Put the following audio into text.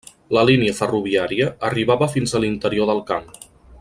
La línia ferroviària arribava fins a l'interior del camp.